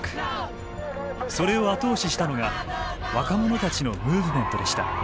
それを後押ししたのが若者たちのムーブメントでした。